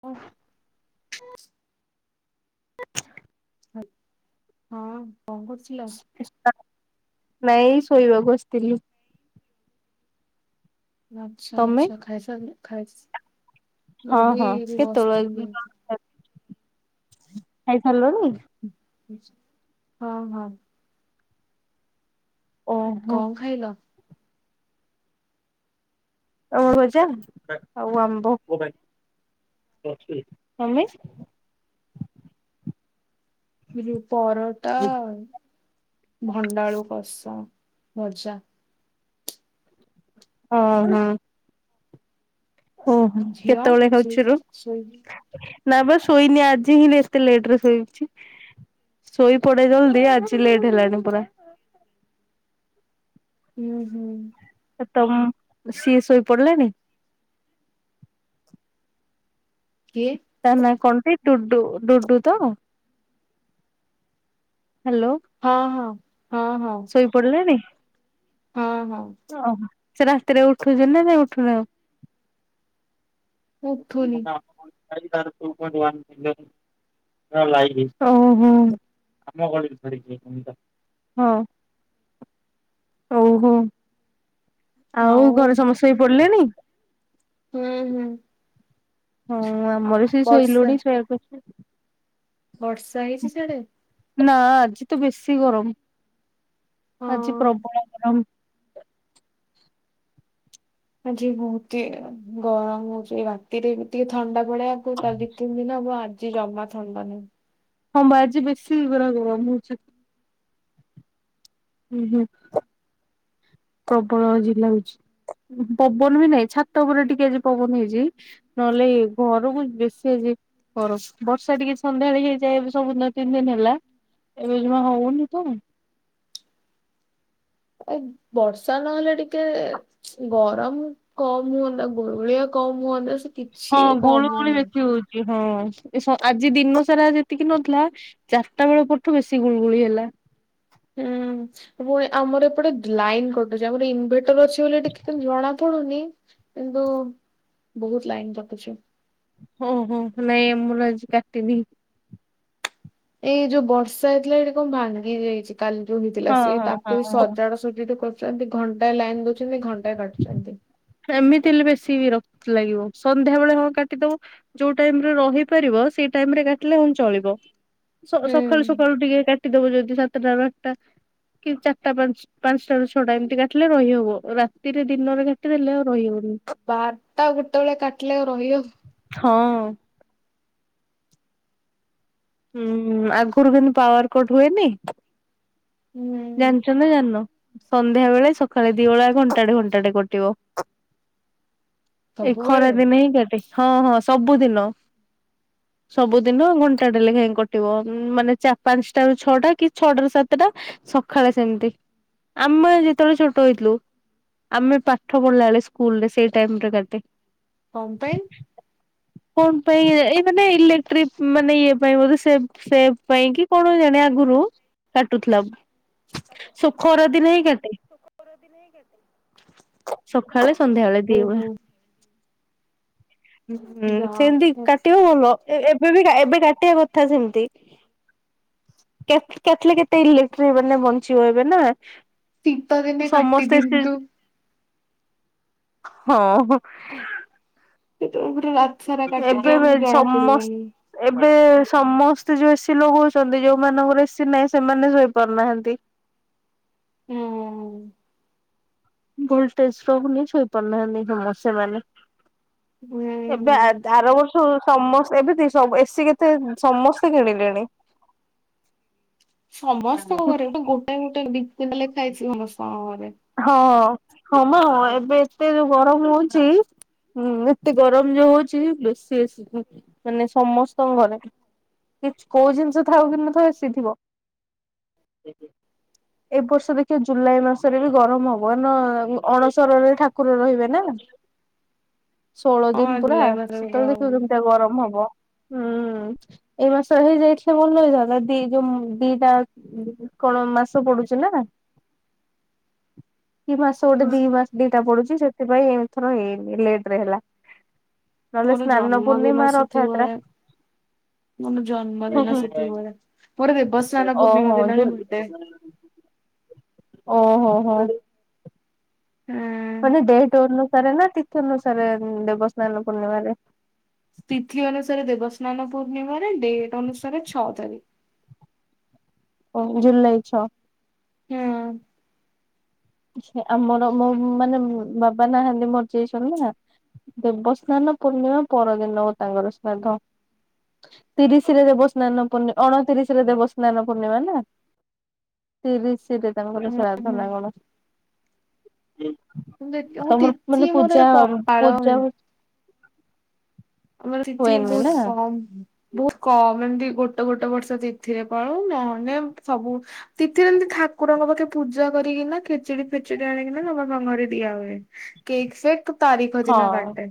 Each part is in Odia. ଓ [inaudible] ହଁ। କଣ କରଥିଲ? ମ ଶୋଇବା ବସିଥିଲି। ଆଚଛା ଆଛା ଖାଇସ ଖସି ହଁ ହଁ କେତଳୁ ଖାଇ ସାରିଲଣି? ହଁ ହଁ, ଓହୋ କଣ ଖାଇଲ? ଆମର ଭଜା ଆଉ ଆମ୍ବମି ଟିକେ ପରଟା ଅଣ୍ଡାଆଳୁ କଷା, ମର୍ଛା ହ ହଁ ଓହୋ ଝିଅ କେତେବେଳେ ଶୋଇ ଖାଉଛି ରୁ ଶୋଇଛି ନା ବା ଶୋଇନି ଆଜି ହିଁ ଏତେ ଲେଟ ରେ ଶୋଇଛି ଶୋଇ ପଡେ ଜଲ୍ଦୀ ଆଜି ଲେଟ ହେଲାଣି ପୁରା। ହୁଁ ହୁଁ [inaudible] ତମ୍ ସିଏ ସୋଇ ପଡ଼ିଲାଣି? କିଏ? ତା ନାଁ କନ୍ ସେଇ ଦୁଡୁ ଦୁଡୁ ତ ହ୍ୟାଲୋ ହଁ ହଁ ହଁ ହଁ ଶୋଇ ପଡ଼ିଲେଣି? ହଁ ହଁ [inaudible] ସେ ରାସ୍ତାରେ ଉଠୁଛନ୍ତି ନା ନା ଉଠୁନ ଆଉ। [inaudible] ଉଠୁନି [unintelligible] [unintelligible] ଆଉ ଘରେ ସମେ ଶୋଇପଡ଼ିଲେନି? ହୁଁ ହୁଁ ହଁ ଆମର ବି ସେ ବର୍ଷା ଶୋଇଲୁଣି ଶୋଇବାକୁ। ବର୍ଷା ହେଇଛି ସିଆଡେ, ନାଆ ଆଜି ତ ବେଶି ଗରମ, ଆଜି ହଁ ପ୍ରବଳ ଗରମ, ଆଜି ବହୁତି ଗରମ ହଉଛି ରାତିରେ ବି ଟିକେ ଥଣ୍ଡା ଭଳିଆକୁ କ ଦି ତିନି ଦିନ ହବ ଆ ଏ ଜମା ଥଣ୍ଡା ନାଇ, ହଁ ବା ଆଜି ବେଶୀ ପୁରା ଗରମ ହଉଚି। ଉ ହୁଁ ପ୍ରବଳ ଆଜି ଲାଗୁଛି ପବନ ବି ନାଇ ଛାତ ଉପରେ ଟିକେ ଆଜି ପବନ ହେଇଛି ନହେଲେ ଏ ଘରକୁ ବେଶୀ ଆଜି ଗରମ ବର୍ଷା ଟିକେ ସନ୍ଧ୍ୟାବେଳେ ହେଇଯାଏ ଏବେ ସବୁ ଦିନ ତିନି ଦିନ ହେଲା ଏବେ ଯମା ହଉନି। ଏ ବର୍ଷା ନହେଲେ ଟିକେ ଗରମ କମ୍ ହୁଅନ୍ତା ଗୁଳୁଗୁଳିଆ କମ୍ ହୁଅନ୍ତା। କିଛି ହଁ କମ ଗୁଳୁ ଗୁଳି ହଉନି। ବେଶି ହଉଛି। ହଁ ଏ ସ ଆଜି ଦିନ ସାରା ଯେତିକି ନଥିଲା ଚାରିଟା ବେଳ ପରଠୁ ବେଶୀ ଗୁଳୁଗୁଳି ହେଲା। ହୁଁ ପୁଣି ଆମର ଏପଟେ ଲାଇନ କଟୁଛି ଆମର ଇନ୍ ଭେଟ୍ ଭେଟର ଅଛି ବୋଲି ଟିକେ ଖାଲି ଜଣା ପଡୁନି କିନ୍ତୁ ବହୁତ ଲାଇନ କଟୁଛି ହଁ ହଁ ନାଇ ଆମର ଆଜି କାଟିନି ଏଇ ଯୋଉ ବର୍ଷା ହେଇଥିଲା ଏଇଠି କଣ ଭାଙ୍ଗି ଯାଇଚି କାଲି ଯୋଉ ହଁ ହେଇଥିଲା ସି ହଁ ହଁ ତାକୁ ହଁ। ସଜାଡ ସଜଡି କ ଦି ଘଣ୍ଟା ଲାଇନ୍ ଦଉଛନ୍ତି ଘ [unintelligible] ଏମିତି ହେଲେ ବେଶୀ ବିରକ୍ତ ଲାଗିବ ସନ୍ଧ୍ୟା ବେଳେ ହଁ କାଟି ଦବ ଯୋଉ ଟାଇମ୍ ରେ ରହିପାରିବ ସେଇ ଟାଇମ୍ କାଟିଲେ ହଁ ଚାଲିବ ସ ସକାଳୁ ହୁଁ। ସକାଳୁ ଟିକେ କା କାଟିଦବ ଯଦି ସାତଟାରୁ ଆଠଟା କି ଚାରିଟା ପାଞ୍ଚଟାରୁ ଛଅଟା ଏମିତି କାଟିଲେ ରହିହବ ରାତିରେ ଦିନରେ େ ଦେଲେ ଆଉ ରହିହଉନି ଭାର୍ତା ଗୁତେବେଳେଆ କାଟିଲ ରହିବ ହଁ ହୁଁ ଆଗରୁ କେନ୍ତୁ ପାୱାରକୋଟ ହୁଏନି ହୁଁ ଜାଣି ନା ଜାଣ ସନ୍ଧ୍ୟା ବେଳେ ସକାଳେ ଦିଳା ଘଣ୍ଟାଡେ ଘଣ୍ଟା ଟେ କଟିବ ଏଇ ଖରା ସବୁବେଳେ ଦିନିନଁ କେଟେ ହଁ ହଁ ସବୁଦିନ ସବୁଦିନ ଘଣ୍ଟା ଡେଲେ କାଇ କଟିବ ମାନେ ପାଞ୍ଚଟା ର ଛଅଟା କି ଛଅଟାରୁ ସାତଟା ଖ ସେମତି ଆମେ ଯେତେବେଳେ ଛୋଟ ହେଇଥିଲୁ ଆମେ ପାଠ ପଢିଲା ବେଳେ ସ୍କୁଲରେ ସେ ଟାଇମ କା ହମ୍ପାଇନ୍ କଣ ପାଇଁ ଏଇ ମାନେ ଇଲେକ୍ଟ୍ରିକ ମାନେ ଇଏ ପାଇଁ ବୋଧ ସେ ପାଇଁ କି କଣ ଜଣେ ଆଗରୁ କାଟୁଥିଲା ସୁଖର ଦିନ ହିଁ କେତେ ସକାବେଳେ ସନ୍ଧ୍ୟାବେଳେ ଦିଗ ଓହୋ। ହଁ ଯାହା ସେମତି ହଉ କାଟିବ ଭଲ ଏବେ ବି ଏବେ କାଟିବା କଥା ସେମତି କେତ କେତେ ଇଲେକ୍ଟ ମାନେ ବଞ୍ଚିିବହିବେ ନା ଶିପଦିନେ ସମସ୍ତେ କାଟଦିନ୍ତୁ ହଁ ସେତେବେଳେ ପୁରା ରାତି ସାରା କାଟିଦିଅ ଆମକୁ ଏବେ ଜଣା ସମସ୍ତ ପଡିବଣିି ଏବେ ସମସ୍ତେ ଯୋଉ ଏସି ଲଗଉଛନ୍ତି ଯୋଉମାନଙ୍କର ଏସି ନାହିଁ ସେମାନେ ଶୋଇପାରୁନାହାନ୍ତି ହୁଁ ଗୁଲଟେ୍ରକୁ ନେଇଛୋଇ ପାରୁନା ସମୋସେ ମାନେ ଏବେ ହୁଁ ବାର ବର୍ଷ ସମସ୍ତ ଏମିତି ସବୁ ଏସି କେତେ ସମସ୍ତେ କିଣିଲେଣି ସମସ୍ତଙ୍କ ଘରେ ଗଟେ ଗୋଟେ ଗୋଟେ ବି ଖାଇଛି ସମସ୍ତ ହଁ ହଁ ହଁ ହଁ ମା ଏବେ ଏତେ ଯୋଉ ଗରମ ହଉଛି ଏତେ ଗରମ ଯୋଉ ହଉଛି ବେଶୀସି ମାନେ ସମସ୍ତଙ୍କ ଘରେ କି କୋଉ ଜିନିଷ ଥାଉ କି ନଥଉ ଆସିଥିବ ଏଇ ବର୍ଷ ଦେଖିବା ଜୁଲାଇ ମାସ ବି ଗରମ ହବ ଅଣସରରେ ଠାକୁର ରହିବେ ନା ଷୋହଳ ହଁ ଦିନ ପୁରା ଜୁଲାଇ ମାସରେ ସେତେବେଳେ ଦେଖିବ ଦମିତି ଗରମ ହବ। ହୁଁ ଏଇ ମାସ ହେଇଯାଇଥିଲେ ଭଲଇଥାନ୍ତା ଦି ଯୋଉ ଦିଟା କଣ ମାସ ପଡୁଛି ନା। କିଇ ମାସ ଗୋଟେ ଦି ମାସ ଦିଟା ପଡୁଛି। ସେଥିପାଇଁ ଏମଥର ହେଇନି ଲେଟ ରେ ହେଲା। ନହେଲେ ଓନୁ ସ୍ନାନ ଜନ୍ମଦିନ ପୂର୍ଣ୍ଣିମା ସୁତିଆ ରଥଯାତ୍ରା ମନୁ ହୁଁ ଜନ୍ମଦିନ ହୁଁ ସୁତିିବା ପୁରୁରରେବାସନା ପୂର୍ଣ୍ଣିମା ଓହୋ ଦିନ ଜୁ ବି ବଟେ ଓହୋ ହୋ। ହୁଁ। ମାନେ ବଡେ ଟୋର୍ନ ସାରେ ନା ତୀର୍ଥାନୁସାରେ ଦେବସ୍ନାନ ପୂର୍ଣ୍ଣିମାରେ ତିଥି ଅନୁସାରେ ଦେବସ୍ନାନ ପୂର୍ଣ୍ଣିମାରେ ଡେଟ ଅନୁସାରେ ଛଅ ତାରିଖ ଓ ଜୁଲାଇ ଛ। ହୁଁ। ସେ ଆମର ମୋ ମାନେ ବାବା ନାହାନ୍ତି ମରିଯାଇଛନ୍ତି ନା ଦେବସ୍ନାନ ପୂର୍ଣ୍ଣିମା ପରଦିନ ହଉ ତାଙ୍କର ଶ୍ରାଦ୍ଧ ତିରିଶରେ ଦେବସ୍ନାନ ପୂର୍ଣ୍ଣିମା ଅଣତିରିଶ ରେ ଦେବସ୍ନାନ ପୂର୍ଣ୍ଣିମା ନା ତିରିଶ ସେଇଟରେ ତାଙ୍କର ହୁଁ। ସାଧ ହୁଁ ନା କଣ? ହଁ। ମୁଁ ମୁଁ ତିଚି ମୋର ପୂଜା ଆମର ସ୍ଥି ହୁଏନି ନା ବହୁତ କମ ବହୁତ କମ ଏମତି ଗୋଟେ ଗୋଟେ ବର୍ଷ ତିଥିରେ ପଳୁ ନହେଲେ ସବୁ ତିଥିରେ ଏମିତି ଠାକୁରଙ୍କ ପାଖେ ପୂଜା କରିକିନା ଖେଚୁଡି ଫେଚୁଡି ଆଣିକିନା ନବାପ ଘରେ ଦିଆ ହୁଏ କେକ୍ ଫେକ୍ ତାରିଖ ହଁ ଦିନ କାଟେ।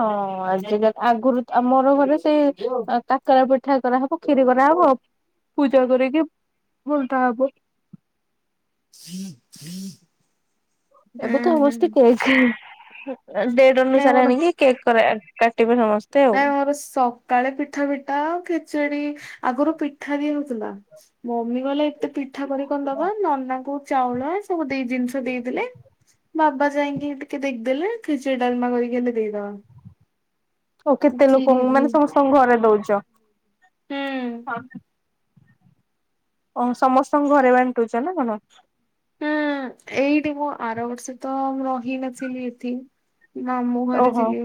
ହଁ ଆ। ଆଗରୁ ଆମର ଘରେ ସେଇ କାକରା ପିଠା କରାହବ କ୍ଷିରି କରାହବ ପୂଜା କରିକି ଭଲଟା ହବ। ହ ହଇ ଏବେ ତ ସମସ୍ତାଇଛି। ହୁଁ। ଡେଢ ନାଇଁ ଅନୁସାରେ ମୋର ଆଣିକି କେକ୍ କରା କାଟିବେ ସମସ୍ତେ। ଆଉ। ନାଇଁ ମୋର ସକାଳେ ପିଠା ପିଠା ଆ ଖେଚୁଡି। ଆଗରୁ ପିଠା ଦିଆ ହଉଥିଲା। ମମି କହିଲେ ଏତେ ପିଠା କରି କଣ ଦବା ନନା କୁ ଚାଉଳ ସବୁ ଦେଇ ଜିନିଷ ଦେଇଥଦେଲେ ବା ବା ଯାଇକି ଟିକେ ଦେଖିଦେଲେ ଖିଚୁଡ଼ି ଡାଲମା କରିକି ଆମେ ଦେଇଦବା। ଆଉ କେତେ ଖିରି ଲୋକଙ୍କୁ ବି ହୁଁ। ମାନେ ସମସ୍ତଙ୍କୁ ଘରେ ଦଉଛି। ଛ। ହୁଁ ହଁ। ଓ ସମସ୍ତଙ୍କ ଘରେ ବାଣ୍ଟୁଛ ନା କଣ ହୁଁ ଏଇଠି ମୁଁ ଆର ବର୍ଷ ତ ରହି ନଥିଲି ଏଠି ନା ମୁଁ ଘରେ ଓହୋ ଥିଲି।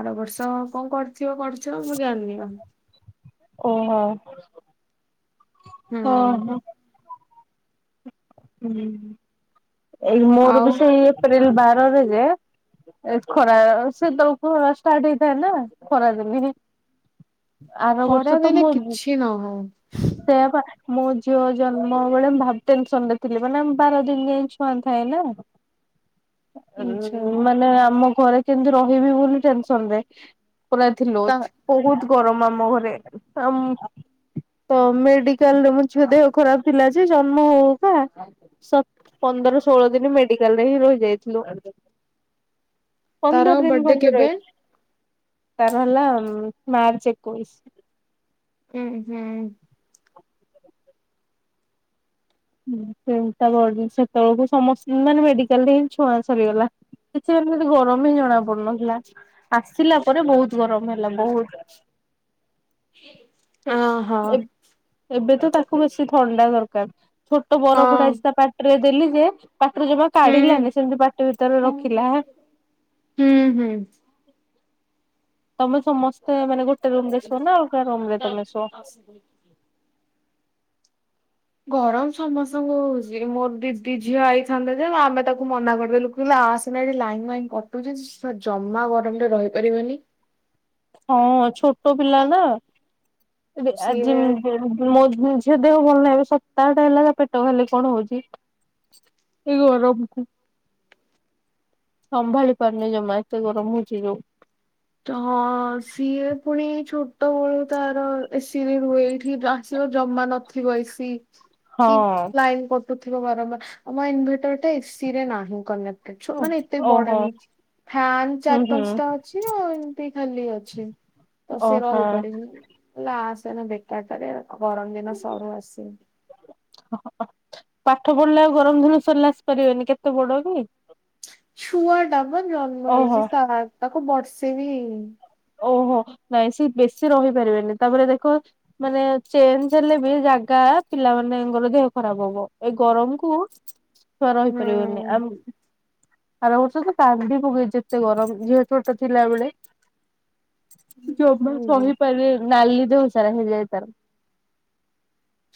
ଆର ବର୍ଷ କଣ କର ତିବା ପଢ଼ୁଛ ମୁଁ ଜାଣିନି ଆ [unintelligible] ହଁ ହଁ। ହୁଁ ହୁଁ। ଏଇ ମୋର ଆଉ ବିଷୟ ଏପ୍ରିଲ ବାର। ଖରାରେ ଯେ ଏ ଖରା ସେତେବେଳୁ ଖରା ଷ୍ଟାର୍ଟ ହେଇଥାଆନ୍ତା। ଖରା ଦିନେ ଆର ଖରା ବର୍ଷ ତ ଦିନେ ମୋ କିଛି ନହଉ ସେୟା ପା ମୋ ଝିଅ ଜନ୍ମ ବେଳେମ ଭାବ୍ ଟେନସନ୍ ରେ ଥିଲେ। ମାନେ ବାର ଦିନ ଯାଇ ଛୁଆଁ ଥାଏ ନା। ଆଛା ଅନ୍-ଅ ମାନେ ଆମ ଖରା କେମିତି ରହିବି ବୋଲି ଟେନସନରେ। ପୁରା ତା ଥିଲୁତ୍ ବହୁତ ଗରମ ଆମ ଘରେ। ତମ୍ ତ ମେଡିକାଲରେ ମୋ ଝିଅ ଦେହ ଖରାପ ଥିଲା ଯେ ଜ ମୁଁ ପା ସତ୍ ପନ୍ଦର ଷୋହଳ ଦିନ ମେଡିକାଲ ରେ ହିଁ ରହିଯାଇଥିଲୁ। ତାର ପନ୍ଦର ଦିନ ବର୍ଡେ ଖଣ୍ଡେ ରହି କେବେ? ତାର ହେଲା ମାର୍ଚ୍ଚ ଏକୋଇଶ। ହୁଁ ହୁଁ। [unintelligible] ସେତେବେଳକୁ ସମସ୍ ମାନେ ମେଡିକାଲରେ ହିଁ ଛୁଆଁ ସରିଗଲା। କିଛି ମାନେ ଗରମ ହିଁ ଜଣା ପଡୁନଥିଲା। ଆସିଲା ପରେ ବହୁତ ଗରମ ହେଲା। ବହୁତ। [unintelligible] ଅହ ହଁ ଏ ଏବେ ତ ତାକୁ ବେଶୀ ଥଣ୍ଡା ଦରକାର। ଛୋଟ ବରଗୁଡ଼ା ଆଜି ତା ପାଟିରେ ଦେଲି ଯେ ପାଟିରୁ ଜମା ହୁଁ। କାଢ଼ିଲାନି ସେମିତି ପାଟି ଭିତରେ ରଖିଲାହାଆ। ହୁଁ ହୁଁ। ତମେ ଚ ସମସ୍ତେ ମାନେ ଗୋଟେ ରୁମ୍ ରେ ଶୁଅ ନା ଆଉ କା ରୁମରେ ତମେ ଶୁଅ? ଗରମ ସମସ୍ତଙ୍କୁ ହଉଛି ମୋର ଦିଦି ଝିଅ ଆଇଥାନ୍ତା ଯେ ଆମେ ତାକୁ ମନା କରିଦେଲୁ କହିଲୁ ଆସନା ଏଠି ଲାଇନ୍ ବାଇନ୍ କଟୁଛି ଜମା ଗରମରେ ରହିପାରିବନି। ହଁ ଛୋଟ ପିଲା ନା। ଆଜି ସିଏ [unintelligible] ମୋ [unintelligible] ଝିଅ ଦେହ ଭଲ ନାହିଁ ଏ ସପ୍ତାହଟା ହେଲା ତା ପେଟ ଖାଲି କଣ ହଉଛି, ଏ ଗରମକୁ ସମ୍ଭାଳି ପାରୁନି ଜମା ଏତେ ଗରମ ହଉଛି ଯୋଉ। ହଁ ସିଏ ପୁଣି ଛୋଟବଳୁ ତାର ଏସିିରେ ରୁହେ ଏଠି ଆସିବ ଜମା ନଥିବ ଏସିି। କି ହଁ। ଲାଇନ୍ କଟୁ ବାରମ୍ବାର ଆମ ଇନ୍ ଭେଟର ଟା ଏସି ରେ ନାହିଁ କନେକ୍ଟ। ଛୁ ମାନେ ଏତେ ବଡ଼ ଓହୋ ଏମଛ ଫ୍ୟାନ ହୁଁ ଚାର୍ ହୁଁ ପାଞ୍ଚଟା ଅଛି। ଏମିତି ଖାଲି ଅଛି ତ ସେି ଓହୋ ରହିପାରିବି ଲାଷ୍ଟ ତାହେଲେ ବେକାର ଟାରେ ଗରମ ଦିନ ସରୁ ଆଗେ ପାଠ ପଢିଲେ ଆଉ ଗରମ ଦିନ ସରିଲା ଆସିପାରିବନି କେତେ ବଡ କି? ଛୁଆ ଟା ମ ଜନ୍ମ ଓହୋ ହେଇଛି ତା ତାକୁ ବର୍ଷେ ବି ହେଇଛି। ହୁଁ ଓହୋ ନାଇଁ ସେ ବେଶୀ ରହିପାରିବେନି ତାପରେ ଦେଖ ମାନେ ଚେଞ୍ଜ ହେଲେ ବି ଜାଗା ପିଲା ମାନଙ୍କର ଦେହ ଖରାପ ହବ ଏଇ ଗରମକୁ। ଛୁଆର ହେଇପାରିବନି ହୁଁ ଆମ ଆ ହତ ତ ଟଡି ପକେଇ ଯେତେ ଗରମ ଯେହେ ୋଟା ଥିଲାବେ [inaudible] [unintelligible] ଜମା ସହିପାରେ ନାଲି ଦେଉ ସାର ହେ ଯାଇ ତାର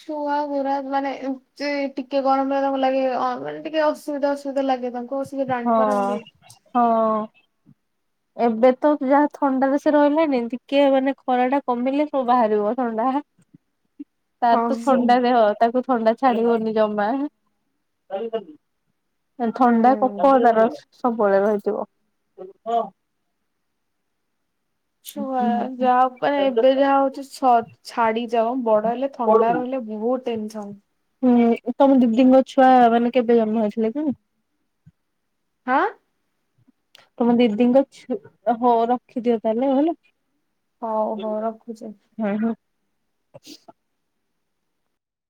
ଛୁଆ ଗୁରା ମାନେ ଏତି ଟିକେ ଗରମ ଗରମ ଲାଗେ ମାନେ ଟିକେ ଅସୁବିଧା ଅସୁବିଧା ଲାଗେ ତାଙ୍କୁ ସେ ହଁ ଜାଣିପାରନ୍ତି ହଁ [inaudible] ଏବେ ତ ଯାହା ଥଣ୍ଡାାରେ ସେ ରହିଲାନି ଟିକେ ମାନେ ଖରା ଟା କମିଲେ ସବୁ ବାହାରିବ ଥଣ୍ଡା ତାର ହଁ ତ ହୁଁ। ଥଣ୍ଡା ଦେହ ତାକୁ ଥଣ୍ଡା ଛାଡ଼ି ହ ନି ଯାଉମା ଥଣ୍ଡା ହୁଁ। କଫ ତାର ସବୁବେଳେ ରହିଥିବ ଛୁଆ ଯାହା ମାନ ଏବେ ଯାହା ହଉଛି ସତ ଛାଡ଼ି ବଡ ହେଲେ ଥଣ୍ଡା ରହିଲେ ବହୁତ ପେନଛ [inaudible] ହୁଁ ତମ ଦିଦିଙ୍କ ଛୁଆ ମାନେ କେବେ ଜନ୍ମ ଅଥିଲେ ତ ହାଁ [inaudible] ତମ ଦିଦିଙ୍କଛ ହଉ ରଖିଦିଅ ତାହେଲେ ହେଲେ ହଉ ହଉ ରଖୁଛିେ, ହେଲା। [unintelligible]